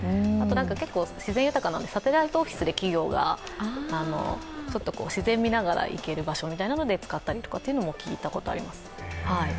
結構、自然豊かなのでサテライトオフィスで企業が自然を見ながら行ける場所ということで使ったりとかというのも聞いたことがあります。